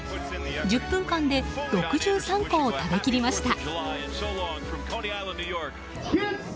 １０分間で６３個を食べ切りました。